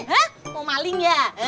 hah mau maling ya